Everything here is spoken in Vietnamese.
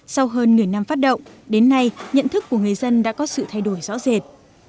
sau hơn một mươi năm phát động đến nay nhận thức của người dân đã có sự thay đổi rõ rệt